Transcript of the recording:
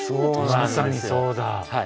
まさにそうだ。